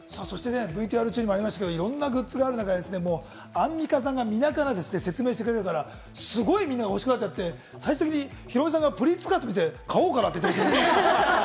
いろんなグッズがある中、アンミカさんが見ながら説明してくれるから、すごいみんな欲しくなっちゃって、最終的にヒロミさんが、プリーツスカート見て「買おうかな」って言ってましたね。